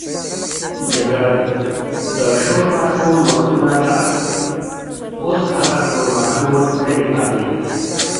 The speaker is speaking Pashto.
جګړن: د شورماشور وختونه ولاړل، اوس هغه شورماشور نه دی پاتې.